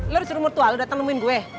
lo disuruh mertua lo datang nemuin gue